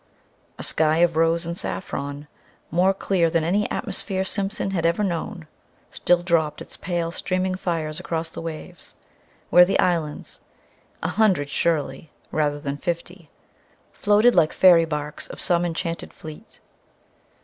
A sky of rose and saffron, more clear than any atmosphere Simpson had ever known, still dropped its pale streaming fires across the waves, where the islands a hundred, surely, rather than fifty floated like the fairy barques of some enchanted fleet.